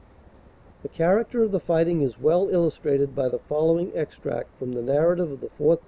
The character of the fighting is well illustrated by the following extract from the narrative of the 4th.